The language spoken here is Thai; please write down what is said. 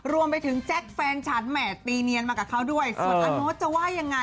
รวมไปถึงแจ๊กแฟนฉันแหม่ตีเนียนมากับเขาด้วยส่วนอันโน้ทจะว่ายังไง